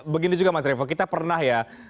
begini juga mas revo kita pernah ya